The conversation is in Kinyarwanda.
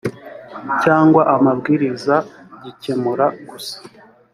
cyangwa amabwiriza gikemura gusa